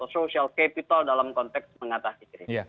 social capital dalam konteks mengatasi krisis